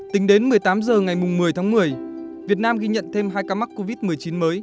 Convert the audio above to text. tính đến một mươi tám h ngày một mươi tháng một mươi việt nam ghi nhận thêm hai ca mắc covid một mươi chín mới